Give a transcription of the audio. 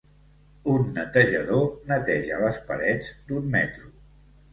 Un netejador neteja les parets d'un metro